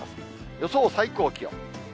予想最高気温。